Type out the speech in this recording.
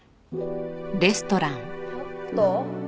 ちょっと。